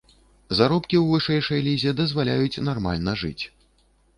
Заробкі ў вышэйшай лізе дазваляюць нармальна жыць.